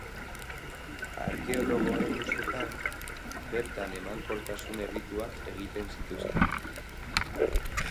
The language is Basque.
Arkeologoen ustetan, bertan emankortasun errituak egiten zituzten.